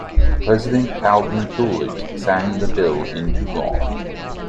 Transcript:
President Calvin Coolidge signed the bill into law.